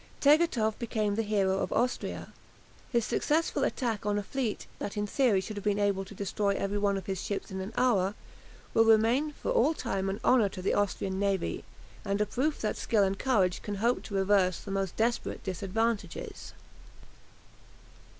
Tegethoff became the hero of Austria. His successful attack on a fleet that in theory should have been able to destroy every one of his ships in an hour, will remain for all time an honour to the Austrian navy, and a proof that skill and courage can hope to reverse the most desperate disadvantages.